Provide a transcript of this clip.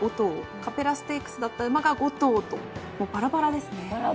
カペラステークスだった馬が５頭とばらばらですね。